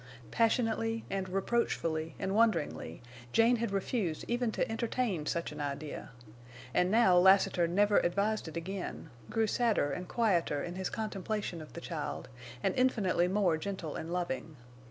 Passionately and reproachfully and wonderingly Jane had refused even to entertain such an idea. And now Lassiter never advised it again, grew sadder and quieter in his contemplation of the child, and infinitely more gentle and loving.